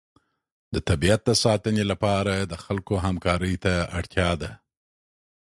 د طبیعت د ساتنې لپاره د خلکو همکارۍ ته اړتیا ده.